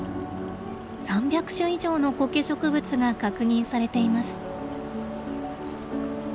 ３００種以上のコケ植物が確認されています。